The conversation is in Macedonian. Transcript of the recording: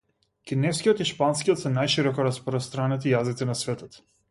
Кинескиот и шпанскиот се најшироко распостранети јазици на светот.